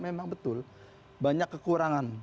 memang betul banyak kekurangan